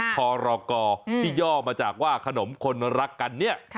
พรกที่ย่อมาจากว่าขนมคนรักกันเนี่ย